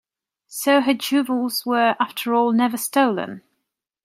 So her jewels were, after all, never stolen?